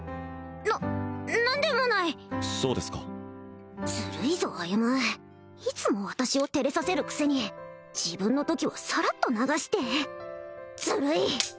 な何でもないそうですかずるいぞ歩いつも私を照れさせるくせに自分のときはサラッと流してずるい！